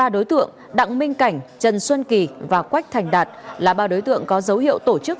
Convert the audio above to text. ba đối tượng đặng minh cảnh trần xuân kỳ và quách thành đạt là ba đối tượng có dấu hiệu tổ chức